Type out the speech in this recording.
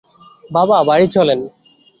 বাবা, বাড়ি চলেন!